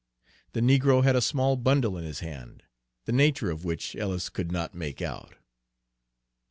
The negro had a small bundle in his hand, the nature of which Ellis could not make out.